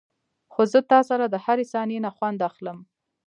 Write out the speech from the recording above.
خو زه تاسره دهرې ثانيې نه خوند اخلم.